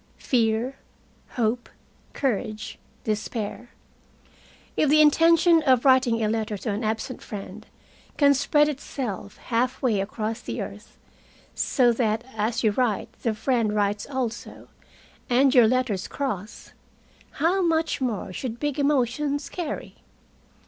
Fear, hope, courage, despair if the intention of writing a letter to an absent friend can spread itself half way across the earth, so that as you write the friend writes also, and your letters cross, how much more should big emotions carry?